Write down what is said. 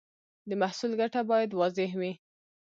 د محصول ګټه باید واضح وي.